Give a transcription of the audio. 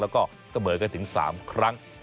แล้วก็เสมอกันถึง๓ครั้ง